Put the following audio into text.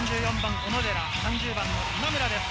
３４番・小野寺、３０番・今村です。